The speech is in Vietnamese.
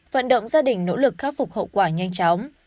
vận động gia đình nỗ lực khắc phục hậu quả nhanh chóng